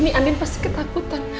ini andin pasti ketakutan